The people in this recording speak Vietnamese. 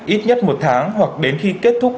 ít nhất một tháng hoặc đến khi kết thúc